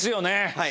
はい。